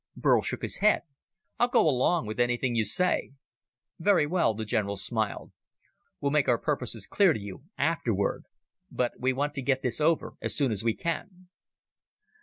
Burl shook his head. "I'll go along with anything you say." "Very well," the general smiled. "We'll make our purposes clear to you afterward. But we want to get this over as soon as we can."